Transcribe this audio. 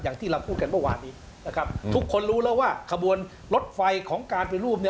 อย่างที่เราพูดกันเมื่อวานนี้ทุกคนรู้แล้วว่ากระบวนลดไฟของการปฏิรูป